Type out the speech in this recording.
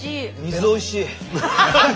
おいしい！